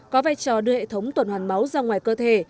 có vai trò đưa hệ thống tuần hoàn máu ra ngoài cơ thể